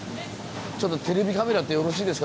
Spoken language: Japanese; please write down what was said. ちょっとテレビカメラってよろしいですか？